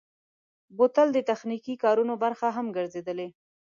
بوتل د تخنیکي کارونو برخه هم ګرځېدلی.